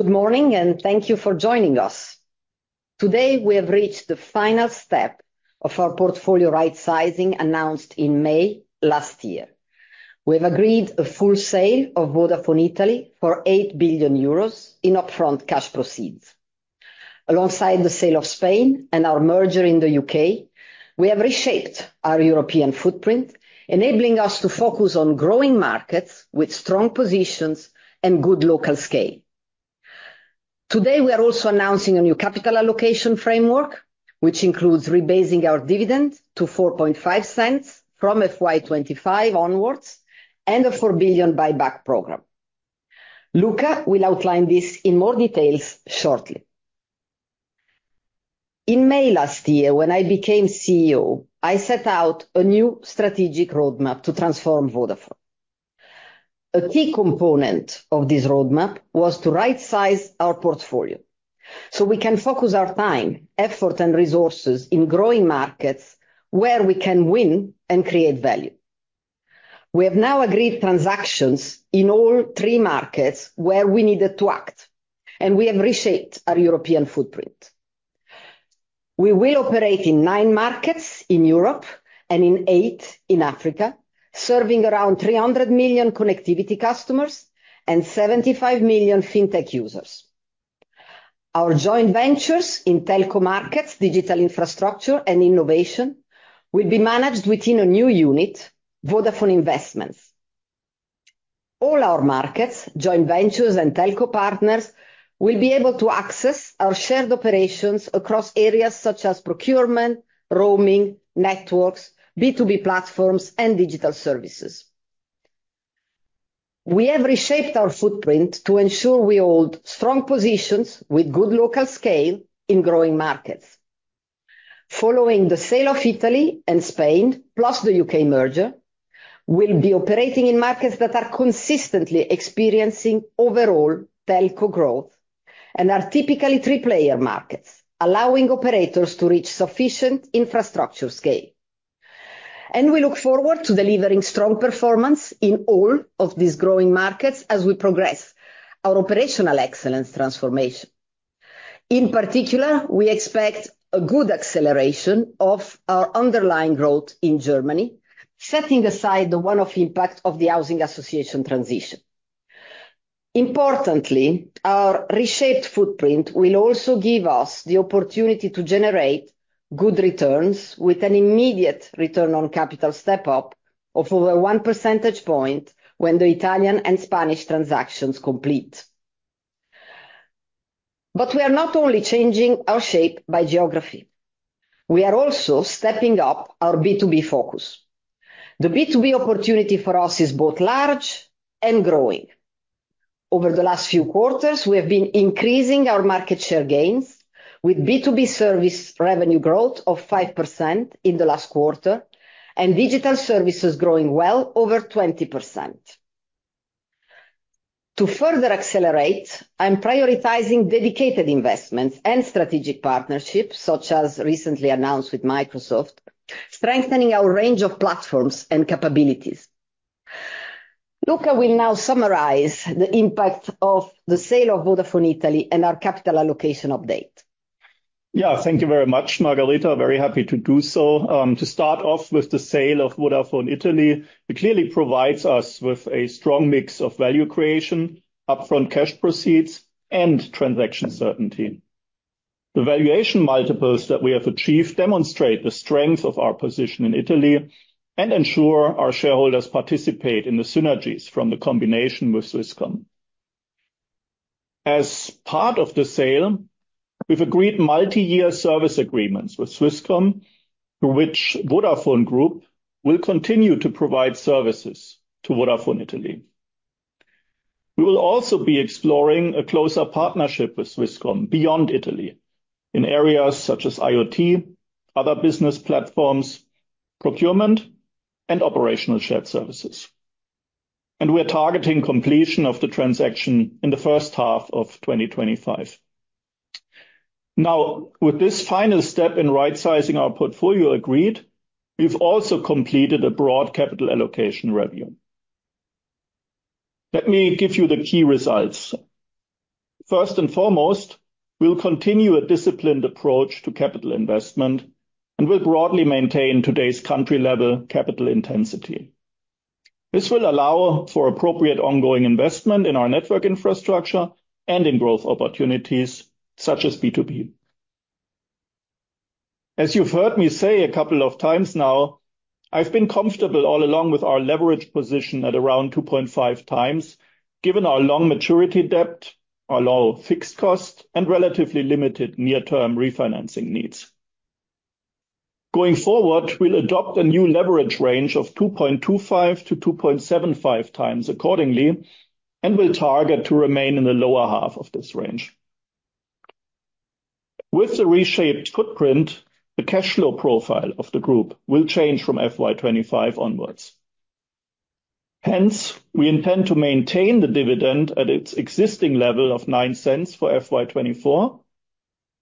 Good morning, and thank you for joining us. Today we have reached the final step of our portfolio right-sizing announced in May last year. We have agreed a full sale of Vodafone Italy for 8 billion euros in upfront cash proceeds. Alongside the sale of Spain and our merger in the UK, we have reshaped our European footprint, enabling us to focus on growing markets with strong positions and good local scale. Today we are also announcing a new capital allocation framework, which includes rebasing our dividend to 0.45 from FY25 onwards and a 4 billion buyback program. Luka will outline this in more details shortly. In May last year, when I became CEO, I set out a new strategic roadmap to transform Vodafone. A key component of this roadmap was to right-size our portfolio so we can focus our time, effort, and resources in growing markets where we can win and create value. We have now agreed transactions in all three markets where we needed to act, and we have reshaped our European footprint. We will operate in nine markets in Europe and in eight in Africa, serving around 300 million connectivity customers and 75 million fintech users. Our joint ventures in telco markets, digital infrastructure, and innovation will be managed within a new unit, Vodafone Investments. All our markets, joint ventures, and telco partners will be able to access our shared operations across areas such as procurement, roaming, networks, B2B platforms, and digital services. We have reshaped our footprint to ensure we hold strong positions with good local scale in growing markets. Following the sale of Italy and Spain, plus the UK merger, we'll be operating in markets that are consistently experiencing overall telco growth and are typically three-player markets, allowing operators to reach sufficient infrastructure scale. We look forward to delivering strong performance in all of these growing markets as we progress our operational excellence transformation. In particular, we expect a good acceleration of our underlying growth in Germany, setting aside the one-off impact of the housing association transition. Importantly, our reshaped footprint will also give us the opportunity to generate good returns with an immediate return on capital step-up of over one percentage point when the Italian and Spanish transactions complete. We are not only changing our shape by geography. We are also stepping up our B2B focus. The B2B opportunity for us is both large and growing. Over the last few quarters, we have been increasing our market share gains with B2B service revenue growth of 5% in the last quarter and digital services growing well over 20%. To further accelerate, I'm prioritizing dedicated investments and strategic partnerships, such as recently announced with Microsoft, strengthening our range of platforms and capabilities. Luka will now summarize the impact of the sale of Vodafone Italy and our capital allocation update. Yeah, thank you very much, Margherita. Very happy to do so. To start off with the sale of Vodafone Italy, it clearly provides us with a strong mix of value creation, upfront cash proceeds, and transaction certainty. The valuation multiples that we have achieved demonstrate the strength of our position in Italy and ensure our shareholders participate in the synergies from the combination with Swisscom. As part of the sale, we've agreed multi-year service agreements with Swisscom, through which Vodafone Group will continue to provide services to Vodafone Italy. We will also be exploring a closer partnership with Swisscom beyond Italy in areas such as IoT, other business platforms, procurement, and operational shared services. We are targeting completion of the transaction in the first half of 2025. Now, with this final step in right-sizing our portfolio agreed, we've also completed a broad capital allocation review. Let me give you the key results. First and foremost, we'll continue a disciplined approach to capital investment and will broadly maintain today's country-level capital intensity. This will allow for appropriate ongoing investment in our network infrastructure and in growth opportunities such as B2B. As you've heard me say a couple of times now, I've been comfortable all along with our leverage position at around 2.5x, given our long maturity debt, our low fixed cost, and relatively limited near-term refinancing needs. Going forward, we'll adopt a new leverage range of 2.25x-2.75x accordingly, and we'll target to remain in the lower half of this range. With the reshaped footprint, the cash flow profile of the group will change from FY25 onwards. Hence, we intend to maintain the dividend at its existing level of 0.09 for FY24,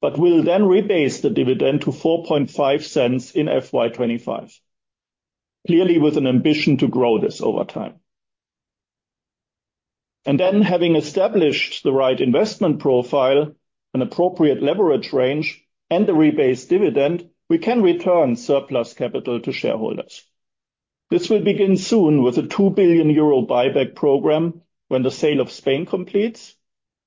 but will then rebase the dividend to 0.45 in FY25, clearly with an ambition to grow this over time. And then, having established the right investment profile, an appropriate leverage range, and a rebase dividend, we can return surplus capital to shareholders. This will begin soon with a 2 billion euro buyback program when the sale of Spain completes,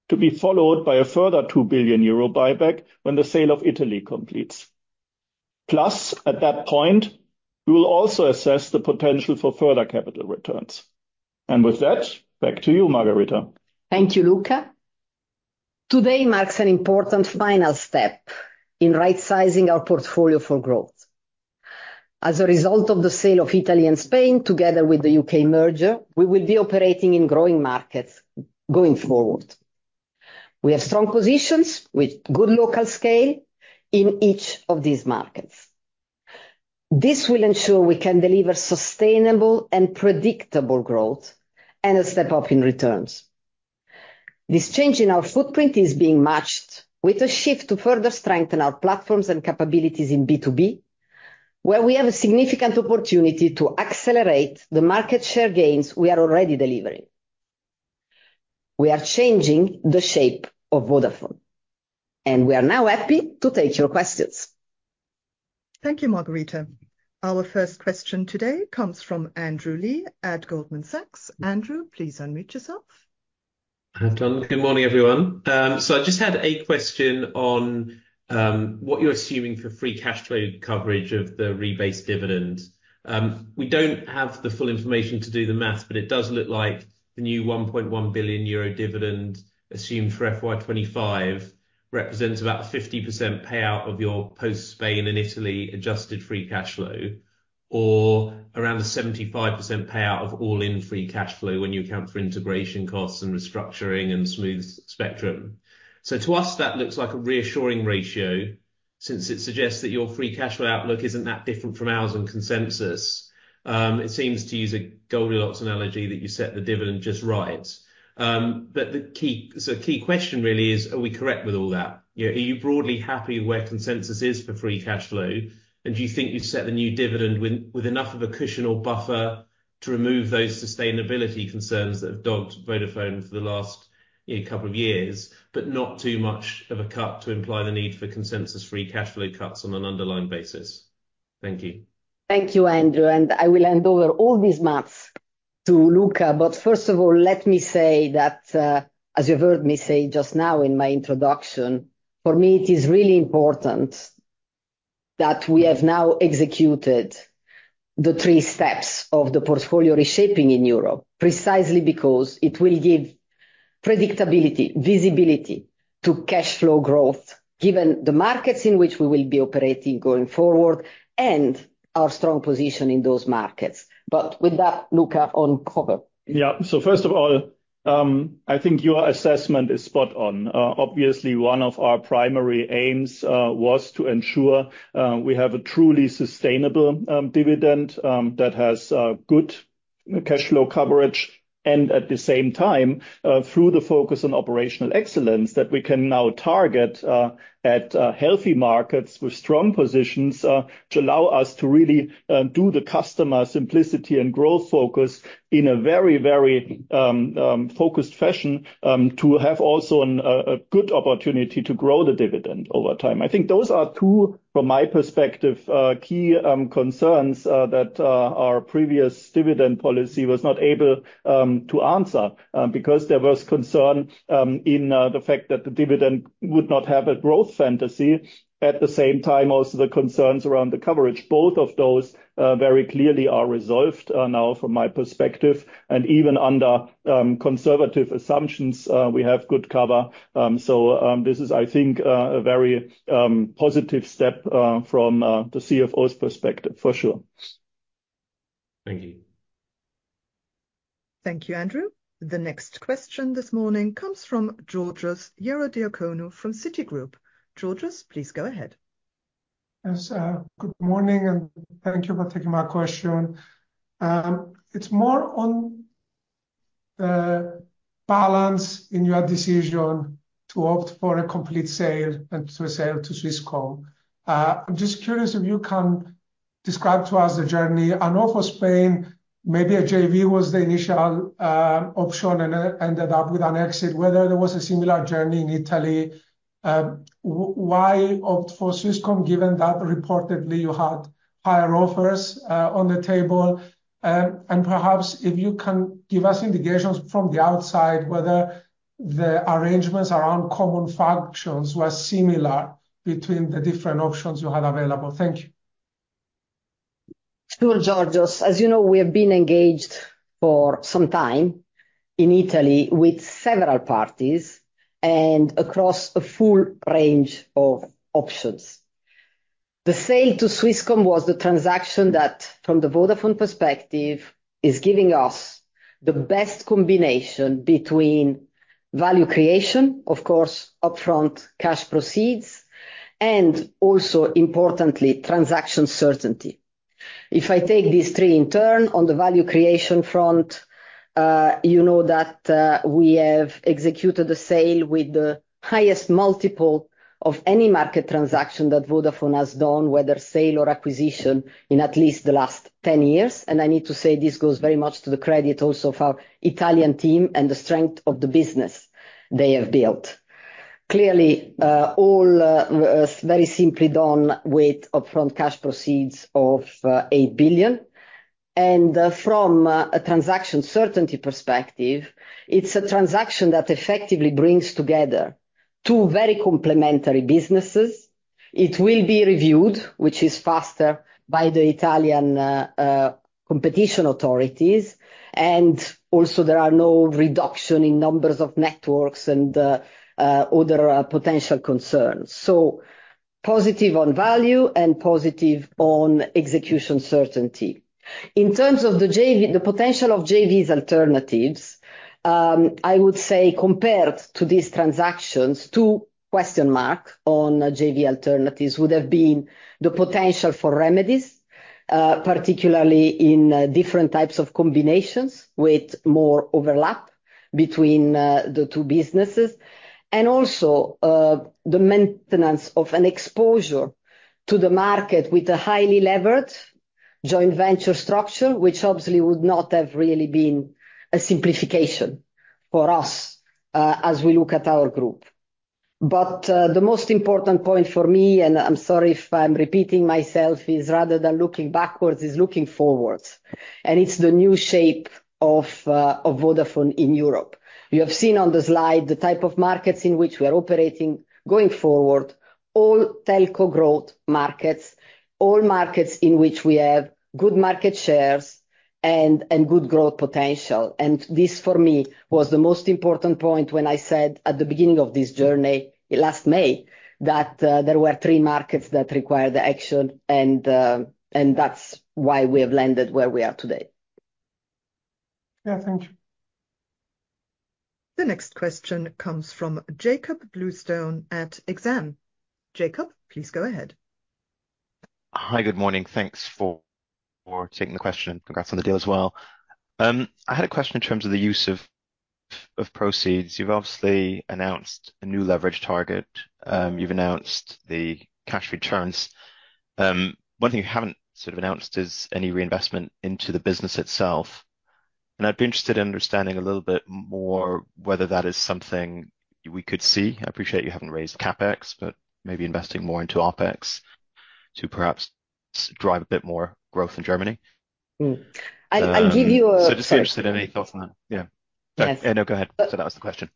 to be followed by a further 2 billion euro buyback when the sale of Italy completes. Plus, at that point, we will also assess the potential for further capital returns. And with that, back to you, Margherita. Thank you, Luka. Today marks an important final step in right-sizing our portfolio for growth. As a result of the sale of Italy and Spain together with the UK merger, we will be operating in growing markets going forward. We have strong positions with good local scale in each of these markets. This will ensure we can deliver sustainable and predictable growth and a step-up in returns. This change in our footprint is being matched with a shift to further strengthen our platforms and capabilities in B2B, where we have a significant opportunity to accelerate the market share gains we are already delivering. We are changing the shape of Vodafone, and we are now happy to take your questions. Thank you, Margherita. Our first question today comes from Andrew Lee at Goldman Sachs. Andrew, please unmute yourself. Hi John, good morning everyone. So I just had a question on what you're assuming for free cash-flow coverage of the rebase dividend. We don't have the full information to do the math, but it does look like the new 1.1 billion euro dividend assumed for FY25 represents about a 50% payout of your post-Spain and Italy adjusted free cash flow, or around a 75% payout of all-in free cash flow when you account for integration costs and restructuring and smooth spectrum. So to us, that looks like a reassuring ratio since it suggests that your free cash flow outlook isn't that different from ours and consensus. It seems to use a Goldilocks analogy that you set the dividend just right. But the key question really is, are we correct with all that? Are you broadly happy with where consensus is for free cash flow, and do you think you've set the new dividend with enough of a cushion or buffer to remove those sustainability concerns that have dogged Vodafone for the last couple of years, but not too much of a cut to imply the need for consensus free cash flow cuts on an underlying basis? Thank you. Thank you, Andrew. I will hand over all these maths to Luka. First of all, let me say that, as you've heard me say just now in my introduction, for me, it is really important that we have now executed the three steps of the portfolio reshaping in Europe, precisely because it will give predictability, visibility to cash flow growth, given the markets in which we will be operating going forward, and our strong position in those markets. With that, Luka, on cover. Yeah. So first of all, I think your assessment is spot on. Obviously, one of our primary aims was to ensure we have a truly sustainable dividend that has good cash flow coverage and at the same time, through the focus on operational excellence, that we can now target at healthy markets with strong positions which allow us to really do the customer simplicity and growth focus in a very, very focused fashion to have also a good opportunity to grow the dividend over time. I think those are two, from my perspective, key concerns that our previous dividend policy was not able to answer because there was concern in the fact that the dividend would not have a growth fantasy. At the same time, also the concerns around the coverage. Both of those very clearly are resolved now from my perspective. Even under conservative assumptions, we have good cover. This is, I think, a very positive step from the CFO's perspective, for sure. Thank you. Thank you, Andrew. The next question this morning comes from Georgios Ierodiaconou from Citigroup. Georgios, please go ahead. Yes, good morning, and thank you for taking my question. It's more on the rationale in your decision to opt for a complete sale and to a sale to Swisscom. I'm just curious if you can describe to us the journey. And of course, Spain, maybe a JV was the initial option and ended up with an exit. Whether there was a similar journey in Italy, why opt for Swisscom given that reportedly you had higher offers on the table? And perhaps if you can give us indications from the outside whether the arrangements around common functions were similar between the different options you had available. Thank you. Sure, Georgios. As you know, we have been engaged for some time in Italy with several parties and across a full range of options. The sale to Swisscom was the transaction that, from the Vodafone perspective, is giving us the best combination between value creation, of course, upfront cash proceeds, and also, importantly, transaction certainty. If I take these three in turn, on the value creation front, you know that we have executed a sale with the highest multiple of any market transaction that Vodafone has done, whether sale or acquisition, in at least the last 10 years. I need to say this goes very much to the credit also of our Italian team and the strength of the business they have built. Clearly, all very simply done with upfront cash proceeds of 8 billion. From a transaction certainty perspective, it's a transaction that effectively brings together two very complementary businesses. It will be reviewed, which is faster, by the Italian competition authorities. There are no reductions in numbers of networks and other potential concerns. Positive on value and positive on execution certainty. In terms of the potential of JVs alternatives, I would say compared to these transactions, two question marks on JV alternatives would have been the potential for remedies, particularly in different types of combinations with more overlap between the two businesses, and also the maintenance of an exposure to the market with a highly levered joint venture structure, which obviously would not have really been a simplification for us as we look at our group. The most important point for me, and I'm sorry if I'm repeating myself, is rather than looking backwards, is looking forwards. It's the new shape of Vodafone in Europe. You have seen on the slide the type of markets in which we are operating going forward, all telco growth markets, all markets in which we have good market shares and good growth potential. This, for me, was the most important point when I said at the beginning of this journey last May that there were three markets that required action. That's why we have landed where we are today. Yeah, thank you. The next question comes from Jakob Bluestone at Exane BNP Paribas. Jacob, please go ahead. Hi, good morning. Thanks for taking the question. Congrats on the deal as well. I had a question in terms of the use of proceeds. You've obviously announced a new leverage target. You've announced the cash returns. One thing you haven't sort of announced is any reinvestment into the business itself. I'd be interested in understanding a little bit more whether that is something we could see. I appreciate you haven't raised CapEx, but maybe investing more into OpEx to perhaps drive a bit more growth in Germany. I'll give you a. Just interested in any thoughts on that. Yeah. No, go ahead. That was the question.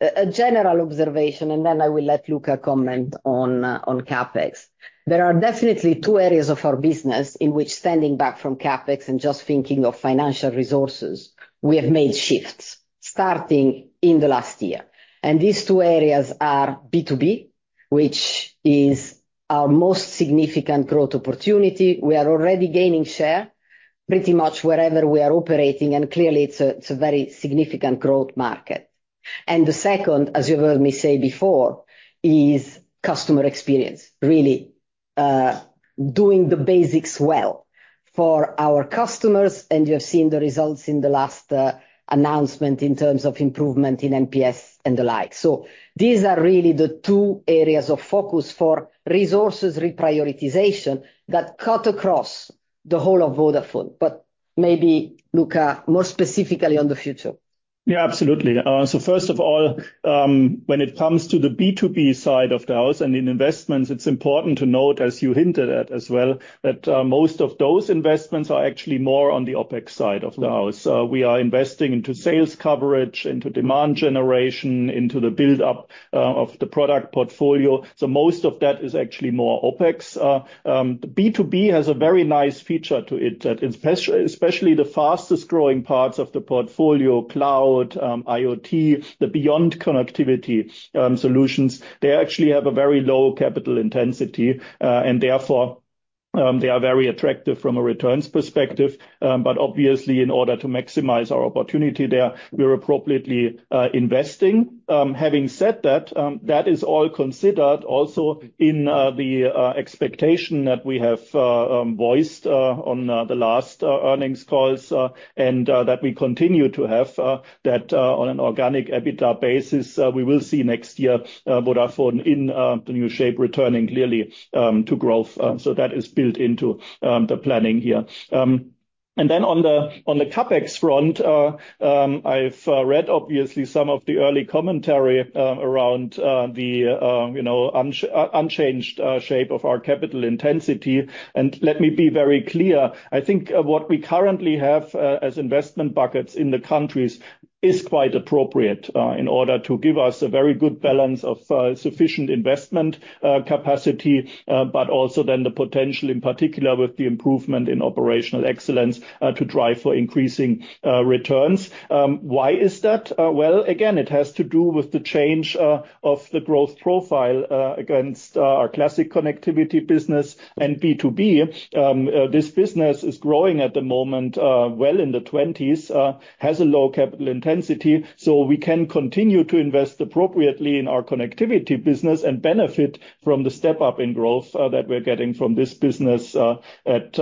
A general observation, and then I will let Luka comment on CapEx. There are definitely two areas of our business in which standing back from CapEx and just thinking of financial resources, we have made shifts starting in the last year. These two areas are B2B, which is our most significant growth opportunity. We are already gaining share pretty much wherever we are operating. Clearly, it's a very significant growth market. The second, as you've heard me say before, is customer experience, really doing the basics well for our customers. You have seen the results in the last announcement in terms of improvement in NPS and the like. These are really the two areas of focus for resources reprioritization that cut across the whole of Vodafone. But maybe, Luka, more specifically on the future. Yeah, absolutely. So first of all, when it comes to the B2B side of the house and in investments, it's important to note, as you hinted at as well, that most of those investments are actually more on the OpEx side of the house. We are investing into sales coverage, into demand generation, into the buildup of the product portfolio. So most of that is actually more OpEx. B2B has a very nice feature to it, especially the fastest growing parts of the portfolio: cloud, IoT, the beyond-connectivity solutions. They actually have a very low capital intensity. And therefore, they are very attractive from a returns perspective. But obviously, in order to maximize our opportunity there, we're appropriately investing. Having said that, that is all considered also in the expectation that we have voiced on the last earnings calls and that we continue to have that on an organic EBITDA basis. We will see next year Vodafone in the new shape returning clearly to growth. So that is built into the planning here. And then on the CapEx front, I've read, obviously, some of the early commentary around the unchanged shape of our capital intensity. And let me be very clear. I think what we currently have as investment buckets in the countries is quite appropriate in order to give us a very good balance of sufficient investment capacity, but also then the potential, in particular with the improvement in operational excellence, to drive for increasing returns. Why is that? Well, again, it has to do with the change of the growth profile against our classic connectivity business and B2B. This business is growing at the moment well in the 20s, has a low capital intensity. So we can continue to invest appropriately in our connectivity business and benefit from the step-up in growth that we're getting from this business at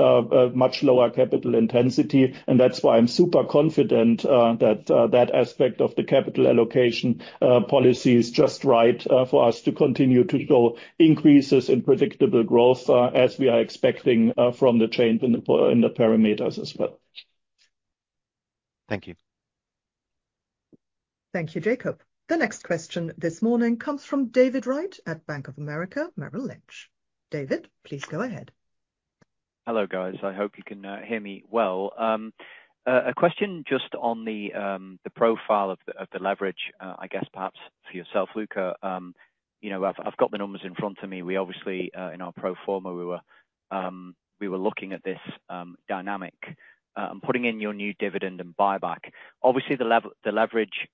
much lower capital intensity. And that's why I'm super confident that that aspect of the capital allocation policy is just right for us to continue to show increases in predictable growth as we are expecting from the change in the parameters as well. Thank you. Thank you, Jakob. The next question this morning comes from David Wright at Bank of America Merrill Lynch. David, please go ahead. Hello, guys. I hope you can hear me well. A question just on the profile of the leverage, I guess, perhaps for yourself, Luka. I've got the numbers in front of me. Obviously, in our pro forma, we were looking at this dynamic and putting in your new dividend and buyback. Obviously, the leverage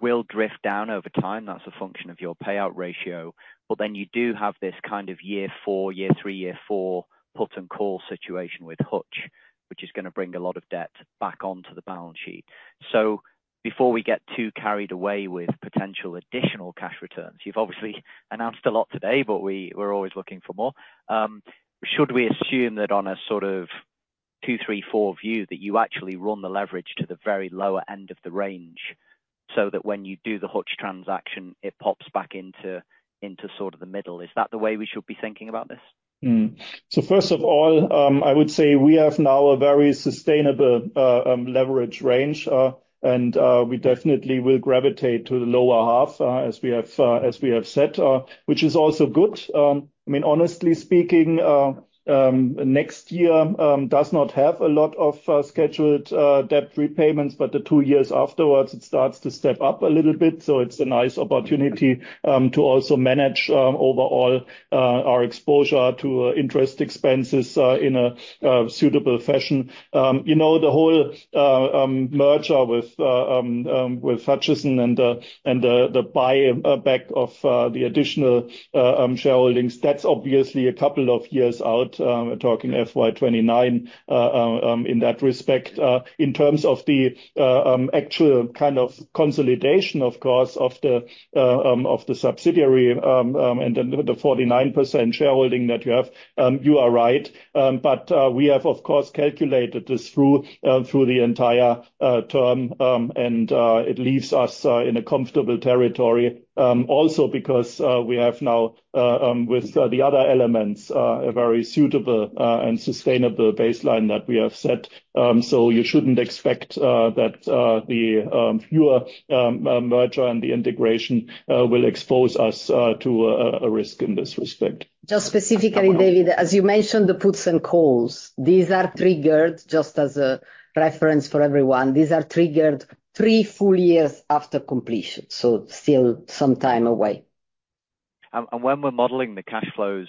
will drift down over time. That's a function of your payout ratio. But then you do have this kind of year four, year three, year four put-and-call situation with Hutch, which is going to bring a lot of debt back onto the balance sheet. So before we get too carried away with potential additional cash returns, you've obviously announced a lot today, but we're always looking for more. Should we assume that on a sort of two, three, four view, that you actually run the leverage to the very lower end of the range so that when you do the Hutch transaction, it pops back into sort of the middle? Is that the way we should be thinking about this? So first of all, I would say we have now a very sustainable leverage range. We definitely will gravitate to the lower half, as we have said, which is also good. I mean, honestly speaking, next year does not have a lot of scheduled debt repayments. But the two years afterwards, it starts to step up a little bit. So it's a nice opportunity to also manage overall our exposure to interest expenses in a suitable fashion. The whole merger with Hutchison and the buyback of the additional shareholdings, that's obviously a couple of years out, talking FY29 in that respect. In terms of the actual kind of consolidation, of course, of the subsidiary and then the 49% shareholding that you have, you are right. But we have, of course, calculated this through the entire term. It leaves us in a comfortable territory also because we have now, with the other elements, a very suitable and sustainable baseline that we have set. You shouldn't expect that the merger and the integration will expose us to a risk in this respect. Just specifically, David, as you mentioned, the puts and calls, these are triggered, just as a reference for everyone, these are triggered three full years after completion. So still some time away. When we're modeling the cash flows,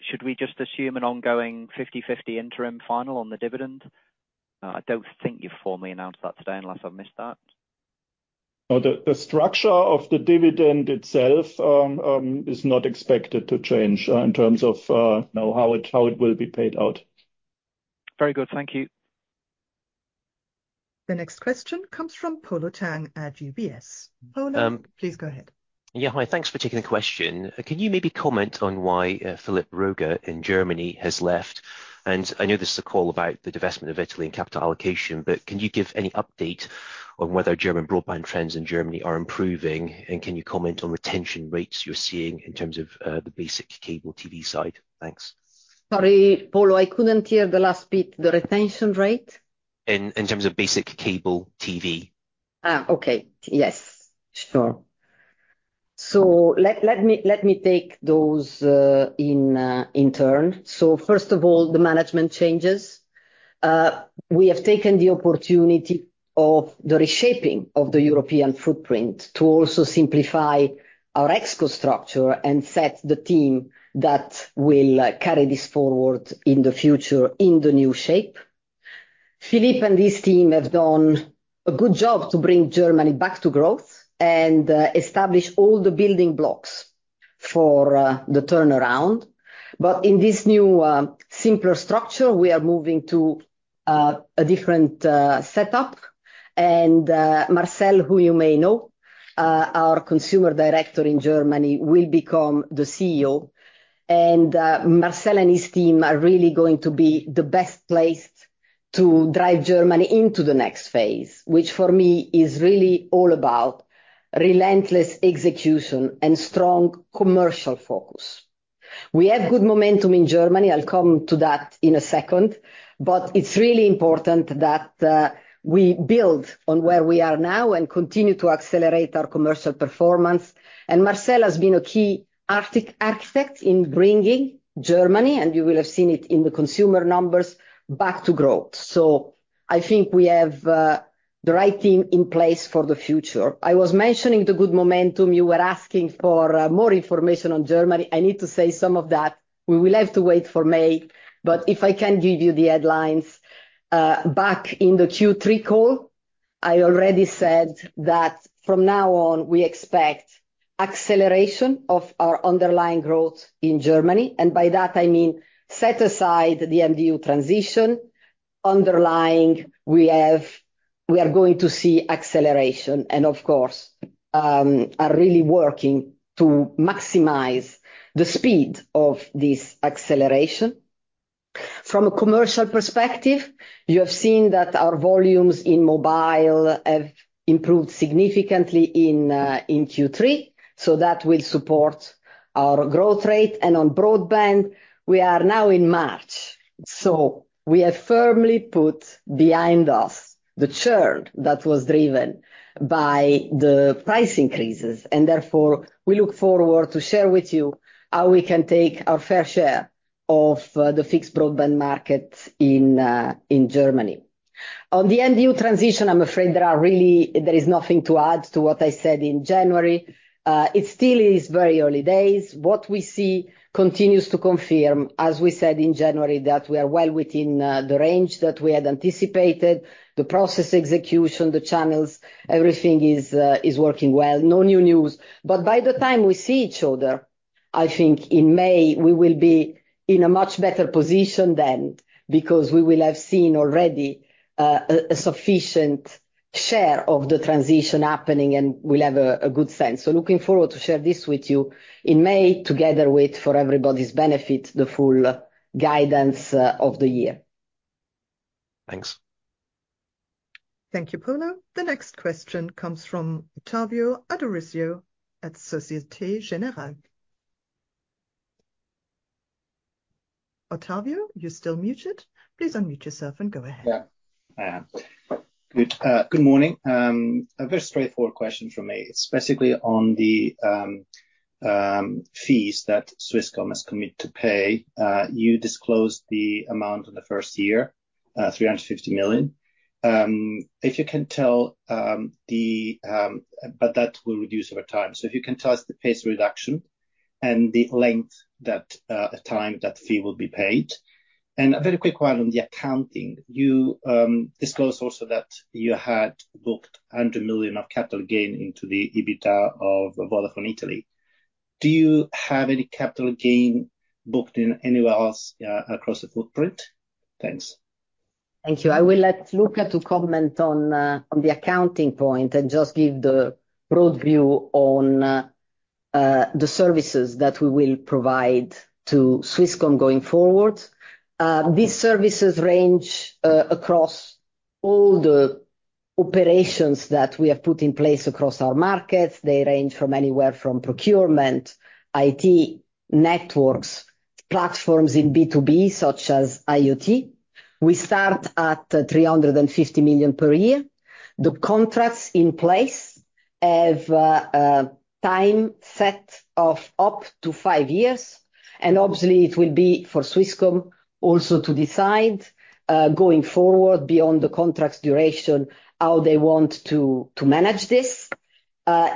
should we just assume an ongoing 50/50 interim final on the dividend? I don't think you've formally announced that today unless I've missed that. Oh, the structure of the dividend itself is not expected to change in terms of how it will be paid out. Very good. Thank you. The next question comes from Polo Tang at UBS. Polo, please go ahead. Yeah, hi. Thanks for taking the question. Can you maybe comment on why Philippe Rogge in Germany has left? And I know this is a call about the divestment of Italy and capital allocation, but can you give any update on whether German broadband trends in Germany are improving? And can you comment on retention rates you're seeing in terms of the basic cable TV side? Thanks. Sorry, Polo, I couldn't hear the last bit. The retention rate? In terms of basic cable TV. Okay. Yes, sure. So let me take those in turn. So first of all, the management changes. We have taken the opportunity of the reshaping of the European footprint to also simplify our ExCo structure and set the team that will carry this forward in the future in the new shape. Philippe and his team have done a good job to bring Germany back to growth and establish all the building blocks for the turnaround. But in this new simpler structure, we are moving to a different setup. And Marcel, who you may know, our consumer director in Germany, will become the CEO. And Marcel and his team are really going to be the best placed to drive Germany into the next phase, which for me is really all about relentless execution and strong commercial focus. We have good momentum in Germany. I'll come to that in a second. But it's really important that we build on where we are now and continue to accelerate our commercial performance. Marcel has been a key architect in bringing Germany, and you will have seen it in the consumer numbers, back to growth. I think we have the right team in place for the future. I was mentioning the good momentum. You were asking for more information on Germany. I need to say some of that. We will have to wait for May. But if I can give you the headlines, back in the Q3 call, I already said that from now on, we expect acceleration of our underlying growth in Germany. And by that, I mean set aside the MDU transition. Underlying, we are going to see acceleration. And of course, are really working to maximize the speed of this acceleration. From a commercial perspective, you have seen that our volumes in mobile have improved significantly in Q3. So that will support our growth rate. And on broadband, we are now in March. So we have firmly put behind us the churn that was driven by the price increases. And therefore, we look forward to share with you how we can take our fair share of the fixed broadband market in Germany. On the MDU transition, I'm afraid there is nothing to add to what I said in January. It still is very early days. What we see continues to confirm, as we said in January, that we are well within the range that we had anticipated. The process execution, the channels, everything is working well. No new news. But by the time we see each other, I think in May, we will be in a much better position than because we will have seen already a sufficient share of the transition happening, and we'll have a good sense. So looking forward to share this with you in May together with, for everybody's benefit, the full guidance of the year. Thanks. Thank you, Polo. The next question comes from Ottavio Adorisio at Société Générale. Ottavio, you're still muted. Please unmute yourself and go ahead. Yeah. Good morning. A very straightforward question from me. It's basically on the fees that Swisscom has committed to pay. You disclosed the amount in the first year, 350 million. If you can tell the but that will reduce over time. So if you can tell us the pace reduction and the length of time that fee will be paid. And a very quick one on the accounting. You disclosed also that you had booked 100 million of capital gain into the EBITDA of Vodafone Italy. Do you have any capital gain booked in anywhere else across the footprint? Thanks. Thank you. I will let Luka to comment on the accounting point and just give the broad view on the services that we will provide to Swisscom going forward. These services range across all the operations that we have put in place across our markets. They range from anywhere from procurement, IT networks, platforms in B2B such as IoT. We start at 350 million per year. The contracts in place have a time set of up to five years. Obviously, it will be for Swisscom also to decide going forward, beyond the contract duration, how they want to manage this.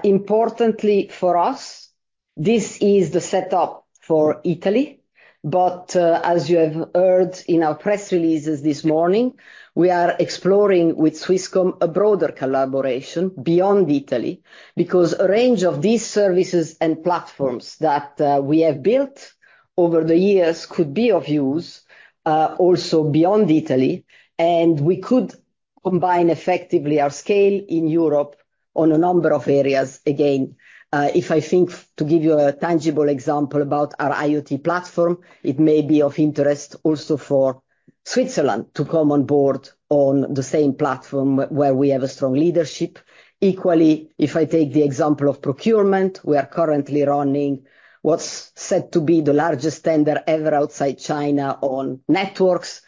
Importantly for us, this is the setup for Italy. But as you have heard in our press releases this morning, we are exploring with Swisscom a broader collaboration beyond Italy because a range of these services and platforms that we have built over the years could be of use also beyond Italy. And we could combine effectively our scale in Europe on a number of areas. Again, if I think to give you a tangible example about our IoT platform, it may be of interest also for Switzerland to come on board on the same platform where we have a strong leadership. Equally, if I take the example of procurement, we are currently running what's said to be the largest tender ever outside China on networks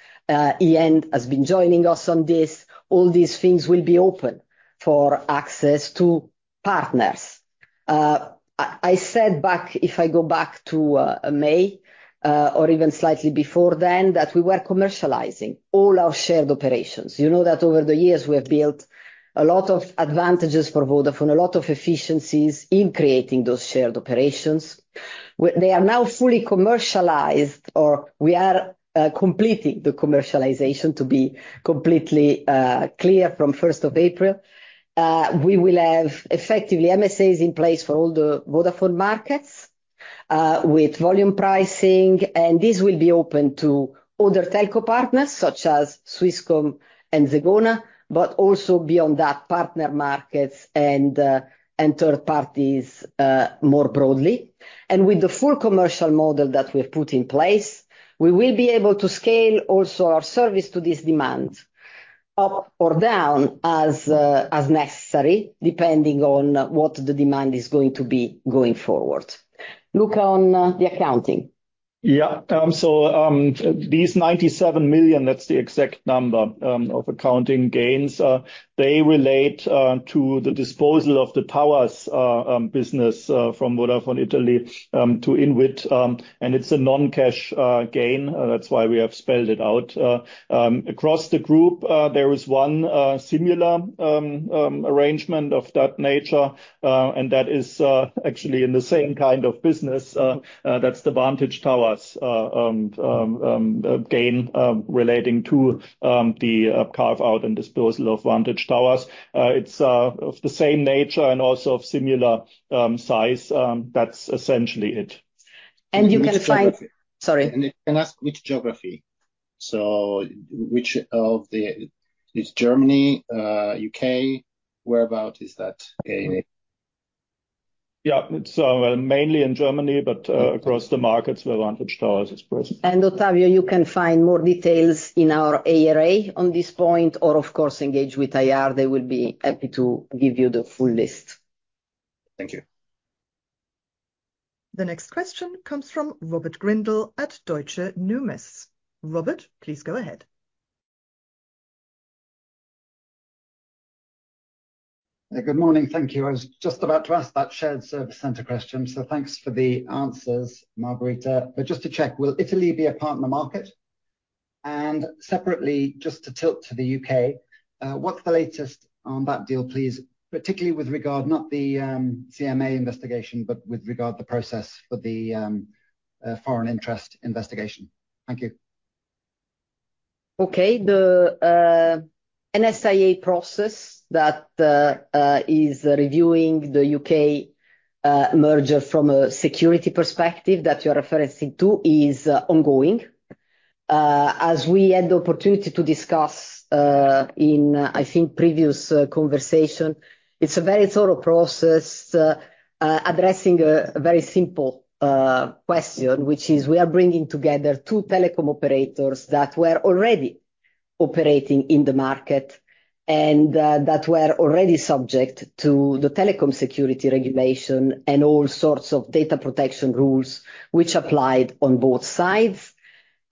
e& has been joining us on this. All these things will be open for access to partners. I said back if I go back to May or even slightly before then that we were commercializing all our shared operations. You know that over the years, we have built a lot of advantages for Vodafone, a lot of efficiencies in creating those shared operations. They are now fully commercialized, or we are completing the commercialization, to be completely clear, from 1 April. We will have effectively MSAs in place for all the Vodafone markets with volume pricing. And this will be open to other telco partners such as Swisscom and Zegona, but also beyond that, partner markets and third parties more broadly. And with the full commercial model that we have put in place, we will be able to scale also our service to this demand up or down as necessary, depending on what the demand is going to be going forward. Luka, on the accounting. Yeah. So these 97 million, that's the exact number of accounting gains. They relate to the disposal of the towers business from Vodafone Italy to INWIT. And it's a non-cash gain. That's why we have spelled it out. Across the group, there is one similar arrangement of that nature. And that is actually in the same kind of business. That's the Vantage Towers gain relating to the carve-out and disposal of Vantage Towers. It's of the same nature and also of similar size. That's essentially it. You can find sorry. You can ask which geography. So which of these is Germany, UK? Whereabouts is that gaining? Yeah. It's mainly in Germany. But across the markets, where Vantage Towers is present. Ottavio, you can find more details in our ARA on this point or, of course, engage with IR. They will be happy to give you the full list. Thank you. The next question comes from Robert Grindle at Deutsche Numis. Robert, please go ahead. Good morning. Thank you. I was just about to ask that shared service center question. So thanks for the answers, Margherita. But just to check, will Italy be a partner market? And separately, just to tilt to the UK, what's the latest on that deal, please, particularly with regard not the CMA investigation, but with regard the process for the foreign interest investigation? Thank you. Okay. The NSIA process that is reviewing the U.K. merger from a security perspective that you are referencing to is ongoing. As we had the opportunity to discuss in, I think, previous conversation, it's a very thorough process addressing a very simple question, which is we are bringing together two telecom operators that were already operating in the market and that were already subject to the telecom security regulation and all sorts of data protection rules which applied on both sides.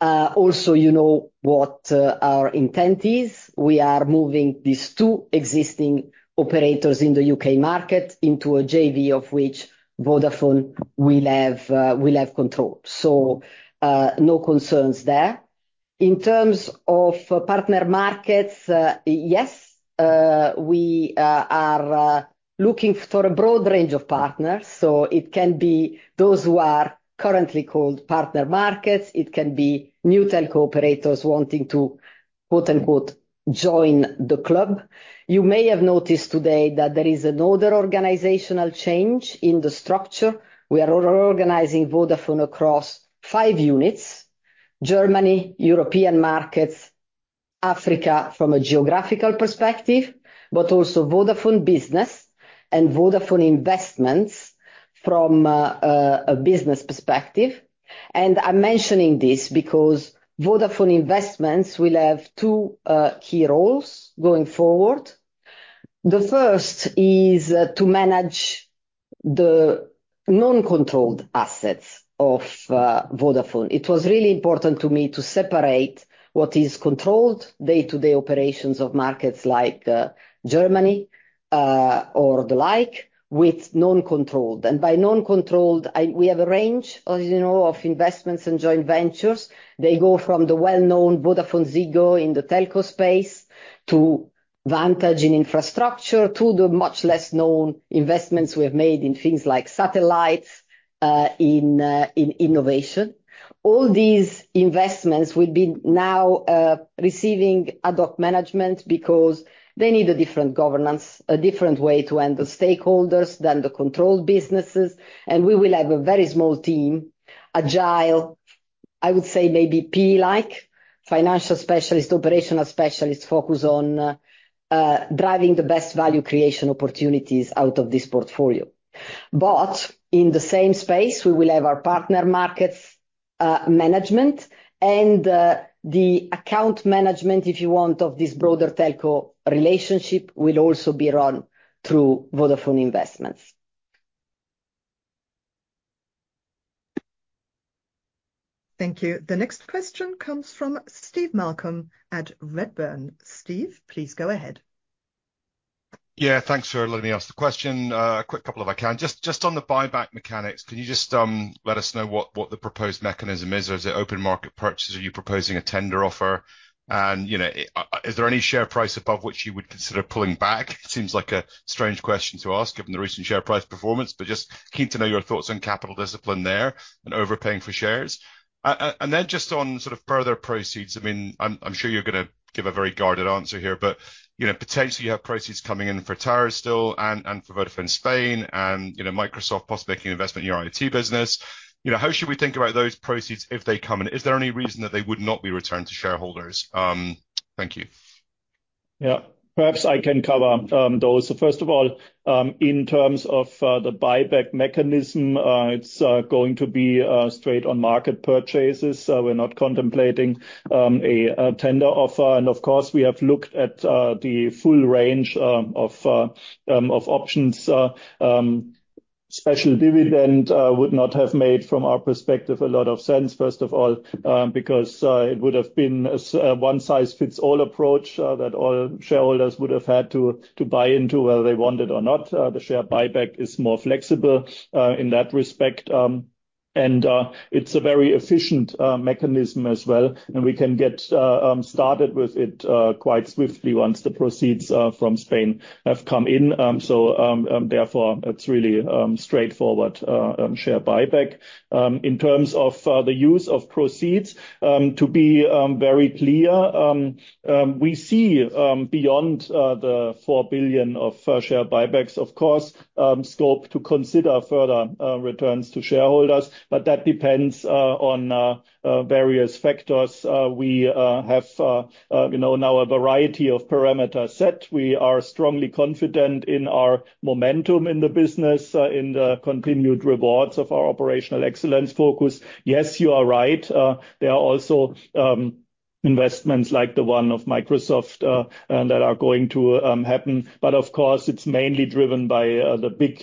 Also, you know what our intent is. We are moving these two existing operators in the U.K. market into a JV of which Vodafone will have control. So no concerns there. In terms of partner markets, yes, we are looking for a broad range of partners. So it can be those who are currently called partner markets. It can be new telco operators wanting to "join the club." You may have noticed today that there is another organizational change in the structure. We are organizing Vodafone across five units: Germany, European markets, Africa from a geographical perspective, but also Vodafone Business and Vodafone Investments from a business perspective. And I'm mentioning this because Vodafone Investments will have two key roles going forward. The first is to manage the non-controlled assets of Vodafone. It was really important to me to separate what is controlled day-to-day operations of markets like Germany or the like with non-controlled. And by non-controlled, we have a range of investments and joint ventures. They go from the well-known VodafoneZiggo in the telco space to Vantage in infrastructure to the much less known investments we have made in things like satellites in innovation. All these investments will be now receiving ad hoc management because they need a different governance, a different way to handle stakeholders than the controlled businesses. We will have a very small team, agile, I would say maybe PE-like, financial specialist, operational specialist focused on driving the best value creation opportunities out of this portfolio. In the same space, we will have our partner markets management. The account management, if you want, of this broader telco relationship will also be run through Vodafone Investments. Thank you. The next question comes from Steve Malcolm at Redburn. Steve, please go ahead. Yeah. Thanks for letting me ask the question. A quick couple, if I can. Just on the buyback mechanics, can you just let us know what the proposed mechanism is? Is it open market purchase? Are you proposing a tender offer? And is there any share price above which you would consider pulling back? It seems like a strange question to ask given the recent share price performance. But just keen to know your thoughts on capital discipline there and overpaying for shares. And then just on sort of further proceeds, I mean, I'm sure you're going to give a very guarded answer here. But potentially, you have proceeds coming in for Towers still and for Vodafone Spain and Microsoft possibly making an investment in your IoT business. How should we think about those proceeds if they come in? Is there any reason that they would not be returned to shareholders? Thank you. Yeah. Perhaps I can cover those. So first of all, in terms of the buyback mechanism, it's going to be straight-on market purchases. We're not contemplating a tender offer. And of course, we have looked at the full range of options. Special dividend would not have made, from our perspective, a lot of sense, first of all, because it would have been a one-size-fits-all approach that all shareholders would have had to buy into whether they wanted or not. The share buyback is more flexible in that respect. And it's a very efficient mechanism as well. And we can get started with it quite swiftly once the proceeds from Spain have come in. So therefore, it's really straightforward share buyback. In terms of the use of proceeds, to be very clear, we see beyond the EUR 4 billion of share buybacks, of course, scope to consider further returns to shareholders. But that depends on various factors. We have now a variety of parameters set. We are strongly confident in our momentum in the business, in the continued rewards of our operational excellence focus. Yes, you are right. There are also investments like the one of Microsoft that are going to happen. But of course, it's mainly driven by the big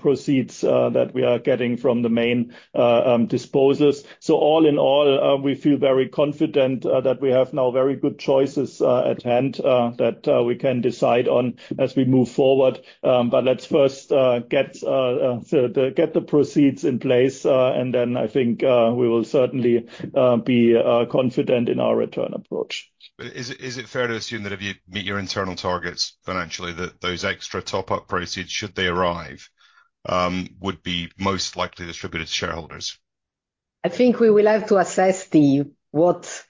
proceeds that we are getting from the main disposals. So all in all, we feel very confident that we have now very good choices at hand that we can decide on as we move forward. But let's first get the proceeds in place. And then I think we will certainly be confident in our return approach. Is it fair to assume that if you meet your internal targets financially, that those extra top-up proceeds, should they arrive, would be most likely distributed to shareholders? I think we will have to assess what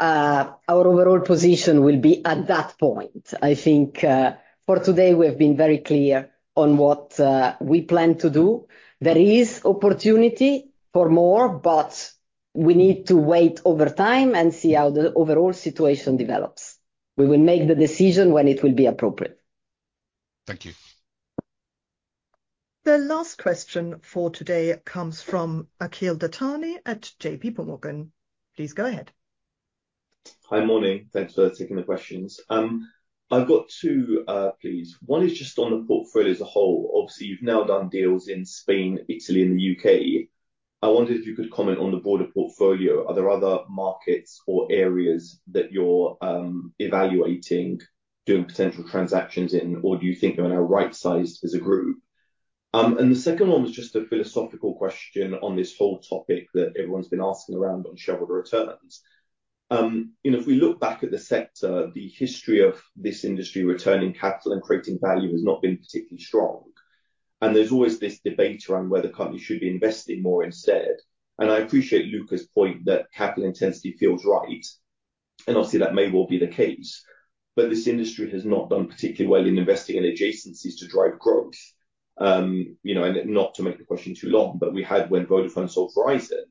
our overall position will be at that point. I think for today, we have been very clear on what we plan to do. There is opportunity for more. But we need to wait over time and see how the overall situation develops. We will make the decision when it will be appropriate. Thank you. The last question for today comes from Akhil Dattani at J.P. Morgan. Please go ahead. Hi, morning. Thanks for taking the questions. I've got two, please. One is just on the portfolio as a whole. Obviously, you've now done deals in Spain, Italy, and the UK. I wondered if you could comment on the broader portfolio. Are there other markets or areas that you're evaluating, doing potential transactions in, or do you think you're now right-sized as a group? And the second one was just a philosophical question on this whole topic that everyone's been asking around on shareholder returns. If we look back at the sector, the history of this industry returning capital and creating value has not been particularly strong. And there's always this debate around whether companies should be investing more instead. And I appreciate Luka's point that capital intensity feels right. And obviously, that may well be the case. But this industry has not done particularly well in investing in adjacencies to drive growth. And not to make the question too long, but we had when Vodafone sold Verizon,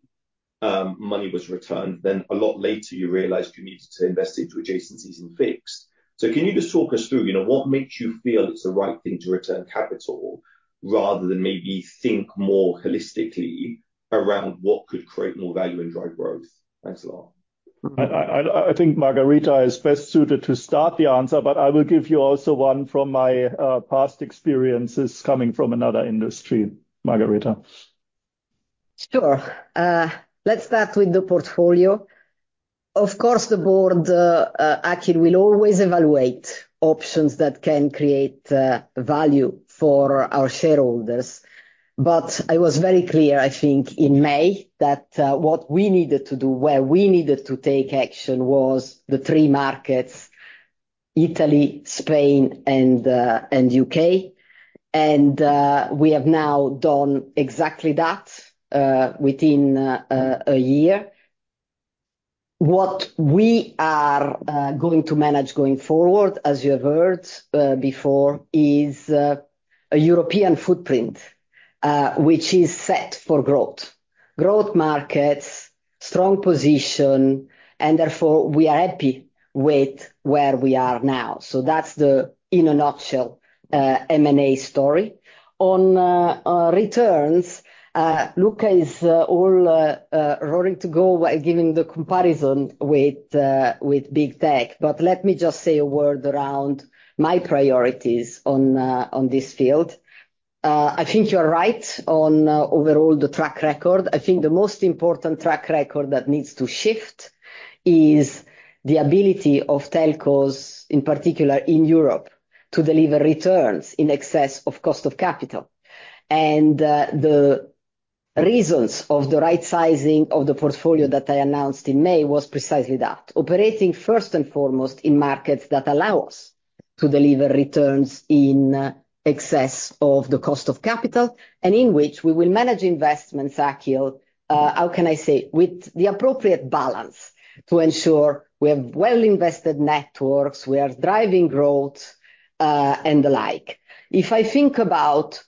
money was returned. Then a lot later, you realized you needed to invest into adjacencies and fixed. So can you just talk us through what makes you feel it's the right thing to return capital rather than maybe think more holistically around what could create more value and drive growth? Thanks a lot. I think Margherita is best suited to start the answer. But I will give you also one from my past experiences coming from another industry, Margherita. Sure. Let's start with the portfolio. Of course, the board, Akhil, will always evaluate options that can create value for our shareholders. But I was very clear, I think, in May that what we needed to do, where we needed to take action, was the three markets: Italy, Spain, and UK. And we have now done exactly that within a year. What we are going to manage going forward, as you have heard before, is a European footprint which is set for growth, growth markets, strong position. And therefore, we are happy with where we are now. So that's the, in a nutshell, M&A story. On returns, Luka is all roaring to go while giving the comparison with big tech. But let me just say a word around my priorities on this field. I think you are right on overall the track record. I think the most important track record that needs to shift is the ability of telcos, in particular in Europe, to deliver returns in excess of cost of capital. The reasons of the right-sizing of the portfolio that I announced in May was precisely that, operating first and foremost in markets that allow us to deliver returns in excess of the cost of capital and in which we will manage investments, Akhil, how can I say, with the appropriate balance to ensure we have well-invested networks, we are driving growth, and the like. If I think about,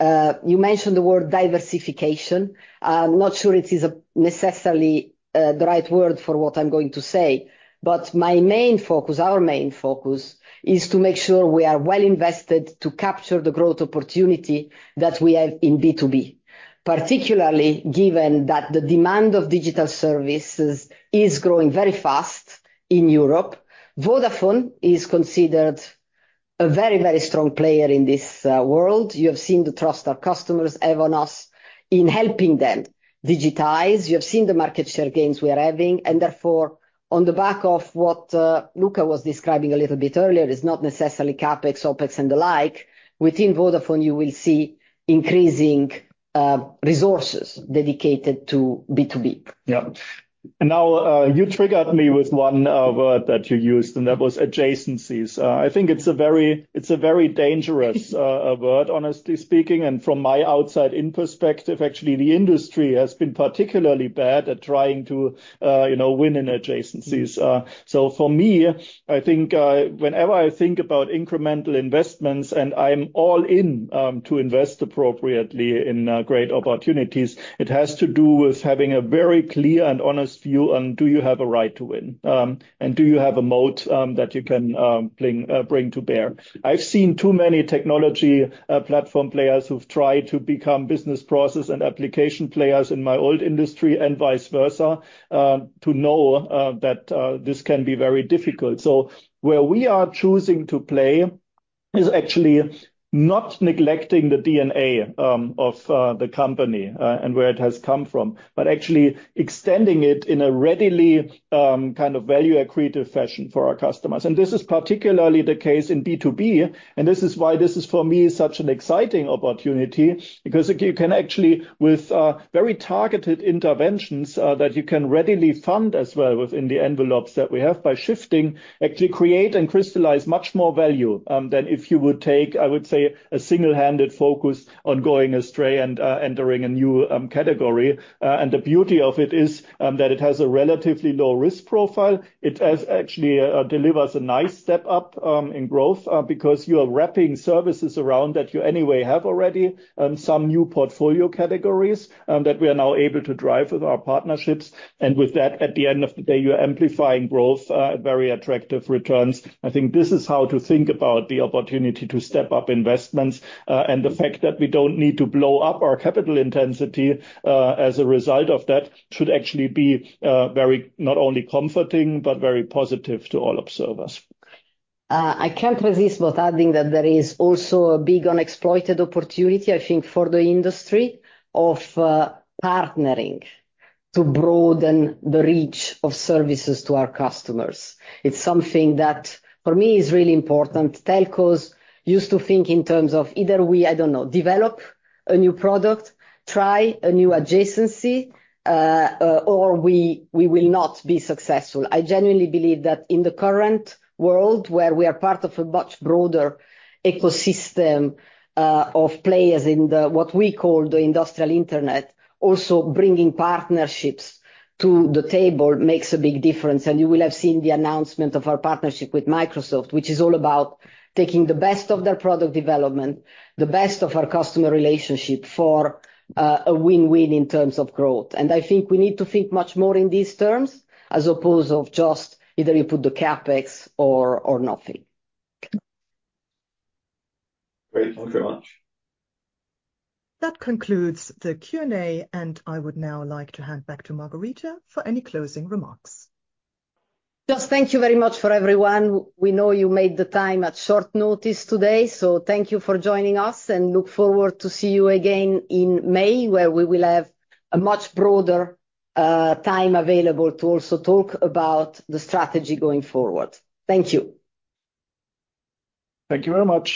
you mentioned the word diversification. I'm not sure it is necessarily the right word for what I'm going to say. But my main focus, our main focus, is to make sure we are well-invested to capture the growth opportunity that we have in B2B, particularly given that the demand of digital services is growing very fast in Europe. Vodafone is considered a very, very strong player in this world. You have seen the trust of customers have on us in helping them digitize. You have seen the market share gains we are having. And therefore, on the back of what Luka was describing a little bit earlier, it's not necessarily CapEx, OpEx, and the like. Within Vodafone, you will see increasing resources dedicated to B2B. Yeah. Now you triggered me with one word that you used. That was adjacencies. I think it's a very dangerous word, honestly speaking. From my outside-in perspective, actually, the industry has been particularly bad at trying to win in adjacencies. So for me, I think whenever I think about incremental investments and I'm all in to invest appropriately in great opportunities, it has to do with having a very clear and honest view on, do you have a right to win? Do you have a moat that you can bring to bear? I've seen too many technology platform players who've tried to become business process and application players in my old industry and vice versa to know that this can be very difficult. So where we are choosing to play is actually not neglecting the DNA of the company and where it has come from, but actually extending it in a readily kind of value-accretive fashion for our customers. And this is particularly the case in B2B. And this is why this is, for me, such an exciting opportunity because you can actually, with very targeted interventions that you can readily fund as well within the envelopes that we have, by shifting, actually create and crystallize much more value than if you would take, I would say, a single-handed focus on going astray and entering a new category. And the beauty of it is that it has a relatively low-risk profile. It actually delivers a nice step up in growth because you are wrapping services around that you anyway have already, some new portfolio categories that we are now able to drive with our partnerships. And with that, at the end of the day, you're amplifying growth at very attractive returns. I think this is how to think about the opportunity to step up investments. And the fact that we don't need to blow up our capital intensity as a result of that should actually be very not only comforting but very positive to all observers. I can't resist both adding that there is also a big unexploited opportunity, I think, for the industry of partnering to broaden the reach of services to our customers. It's something that, for me, is really important. Telcos used to think in terms of either we, I don't know, develop a new product, try a new adjacency, or we will not be successful. I genuinely believe that in the current world, where we are part of a much broader ecosystem of players in what we call the industrial internet, also bringing partnerships to the table makes a big difference. And you will have seen the announcement of our partnership with Microsoft, which is all about taking the best of their product development, the best of our customer relationship for a win-win in terms of growth. I think we need to think much more in these terms as opposed to just either you put the CapEx or nothing. Great. Thank you very much. That concludes the Q&A. I would now like to hand back to Margherita for any closing remarks. Just, thank you very much, everyone. We know you made the time at short notice today. So thank you for joining us. And look forward to seeing you again in May, where we will have a much broader time available to also talk about the strategy going forward. Thank you. Thank you very much.